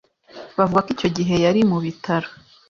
Bavuga ko icyo gihe yari mu bitaro.